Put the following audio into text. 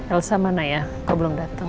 elsa mana ya kau belum datang